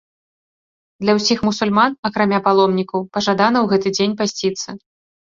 Для ўсіх мусульман, акрамя паломнікаў, пажадана ў гэты дзень пасціцца.